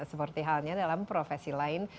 seperti halnya dalam profesi lain